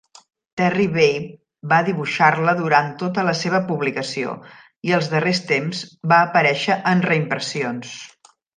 Terry Bave va dibuixar-la durant tota la seva publicació, i als darrers temps va aparèixer en reimpressions.